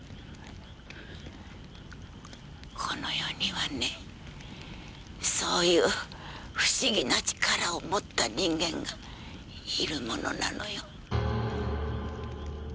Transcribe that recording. この世にはねそういう不思議な力を持った人間がいるものなのよ。